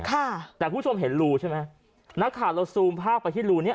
ค่ะแต่คุณผู้ชมเห็นรูใช่ไหมนักข่าวเราซูมภาพไปที่รูเนี้ย